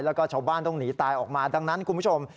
แล้วก็ชาวบ้านต้องหนีตายออกมาดังนั้นคุณผู้ชม